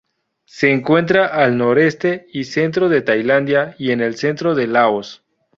Se encuentra al noreste y centro de Tailandia y en el centro de Laos.